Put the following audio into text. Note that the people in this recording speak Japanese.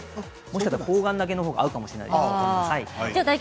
もしかしたら砲丸投げのほうが合うかもしれません。